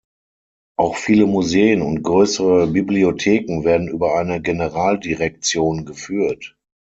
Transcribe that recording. Auch viele Museen und größere Bibliotheken werden über eine Generaldirektion geführt.